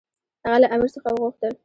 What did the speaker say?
هغه له امیر څخه وغوښتل.